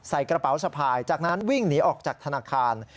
ใส่กระเป๋าสะพายจากนั้นวิ่งหนีออกจากธนาคาร